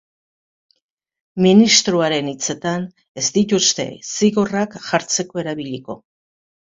Ministroaren hitzetan, ez dituzte zigorrak jartzeko erabiliko.